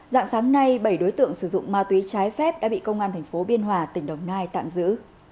dạng sáng nay bảy đối tượng sử dụng ma túy trái phép đã bị công an thành phố biên hòa tỉnh đồng nai tạm giữ